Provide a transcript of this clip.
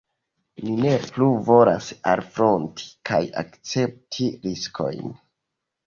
Ni ne plu volas alfronti kaj akcepti riskojn.